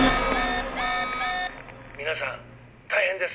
皆さん大変です！